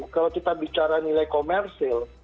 kalau kita bicara nilai komersil